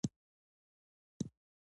هغه وویل د خان مېرمن لنګیږي